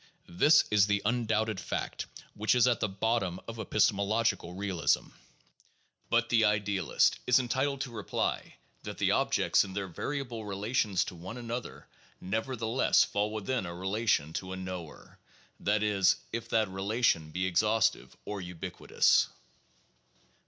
This is the undoubted fact which is at the bottom of epistemological realism. But the idealist is entitled to reply that the objects in their variable relations to one another nevertheless fall within a rela tion to a knower — that is, if that relation be exhaustive or ubiquitous.